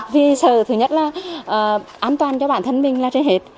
vì sợ thứ nhất là an toàn cho bản thân mình là trên hết